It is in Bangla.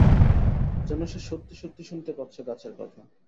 যেন সে সত্যি-সত্যি শুনতে পাচ্ছে গাছের কথা!